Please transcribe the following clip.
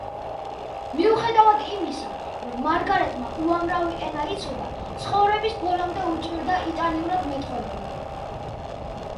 მიუხედავად იმისა, რომ მარგარეტმა უამრავი ენა იცოდა, ცხოვრების ბოლომდე უჭირდა იტალიურად მეტყველება.